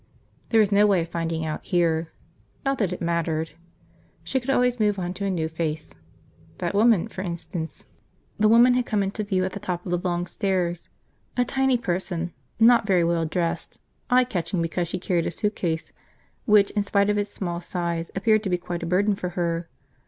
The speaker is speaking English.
There was no way of finding out, here. Not that it mattered. She could always move on to a new face. That woman, for instance. The woman had come into view at the top of the long stairs, a tiny person, not very well dressed, eye catching because she carried a suitcase which in spite of its small size appeared to be quite a burden for her.